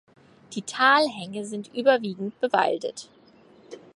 Die Talhänge sind überwiegend bewaldet.